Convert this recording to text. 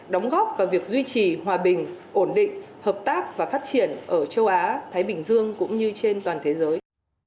đóng góp vào việc duy trì hòa bình ổn định hợp tác và phát triển ở châu á thái bình dương cũng như trên toàn thế giới